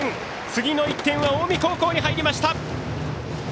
次の１点は近江高校に入りました。